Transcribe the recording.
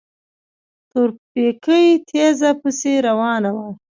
تورپيکۍ تېزه پسې روانه وه.